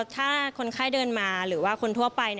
ถ้าคนไข้เดินมาหรือว่าคนทั่วไป